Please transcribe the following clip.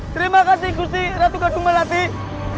terpujilah angkoh yang maha agung